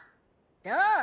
どう？